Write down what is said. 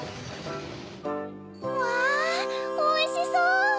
うわおいしそう！